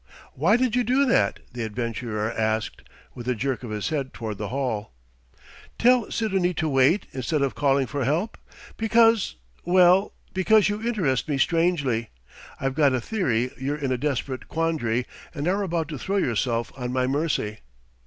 "Why did you do that?" the adventurer asked, with a jerk of his head toward the hall. "Tell Sidonie to wait instead of calling for help? Because well, because you interest me strangely. I've got a theory you're in a desperate quandary and are about to throw yourself on my mercy."